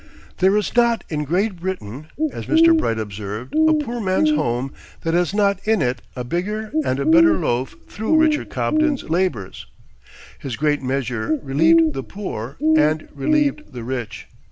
There is not in Great Britain, as Mr. Bright observed, a poor man's home that has not in it a bigger and a better loaf through Richard Cobden's labors. His great measure relieved the poor, and relieved the rich.